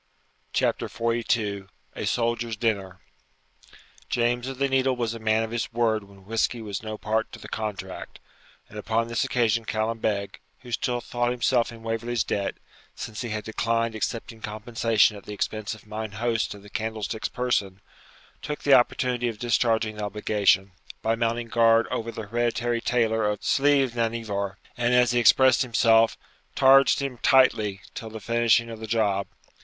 CHAPTER XLII A SOLDIER'S DINNER James of the Needle was a man of his word when whisky was no party to the contract; and upon this occasion Callum Beg, who still thought himself in Waverley's debt, since he had declined accepting compensation at the expense of mine host of the Candlestick's person, took the opportunity of discharging the obligation, by mounting guard over the hereditary tailor of Sliochd nan Ivor; and, as he expressed himself, 'targed him tightly' till the finishing of the job.